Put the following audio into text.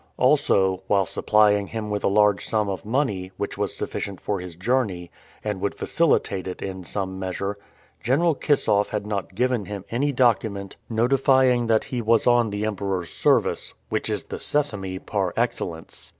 Also, while supplying him with a large sum of money, which was sufficient for his journey, and would facilitate it in some measure, General Kissoff had not given him any document notifying that he was on the Emperor's service, which is the Sesame par excellence.